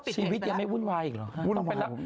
ชีวิตยังไม่วุ่นวายอีกหรอวุ่นออกไปแล้ว